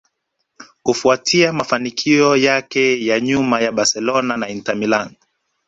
kufuatia mafanikio yake ya nyuma ya Barcelona na Inter Milan